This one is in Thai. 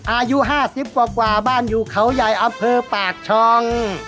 อายุห้าสิบกว่าบ้านอยู่เข้ายายอำเภอปากช้อง